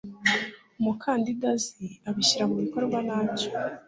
umukandida azi abishyira mu bikorwa na cyo